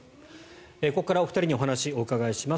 ここからお二人にお話をお伺いします。